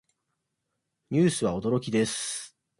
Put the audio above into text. ニュースは驚きです。